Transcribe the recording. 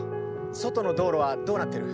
外の道路はどうなっている？